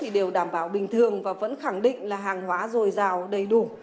đều đảm bảo bình thường và vẫn khẳng định là hàng hóa rồi rào đầy đủ